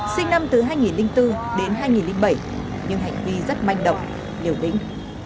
sinh năm từ hai nghìn bốn đến hai nghìn bảy nhưng hành vi rất manh động liều lĩnh